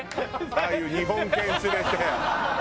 ああいう日本犬連れて。